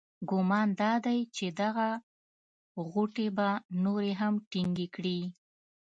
ګمان دادی چې دغه غوټې به نورې هم ټینګې کړي.